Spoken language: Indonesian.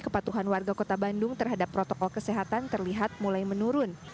kepatuhan warga kota bandung terhadap protokol kesehatan terlihat mulai menurun